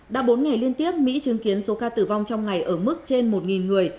đã bốn ngày liên tiếp mỹ chứng kiến số ca tử vong trong ngày ở mức trên một người